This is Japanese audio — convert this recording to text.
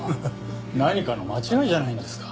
何かの間違いじゃないんですか？